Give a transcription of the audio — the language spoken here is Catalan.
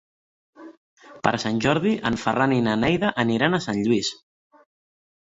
Per Sant Jordi en Ferran i na Neida aniran a Sant Lluís.